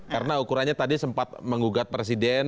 karena ukurannya tadi sempat mengugat presiden